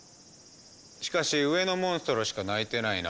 しかし上のモンストロしか鳴いてないな。